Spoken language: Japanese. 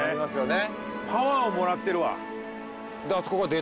ね